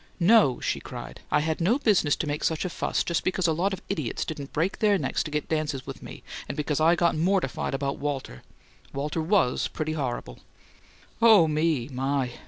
"No!" she cried. "I had no business to make such a fuss just because a lot of idiots didn't break their necks to get dances with me and because I got mortified about Walter Walter WAS pretty terrible " "Oh, me, my!"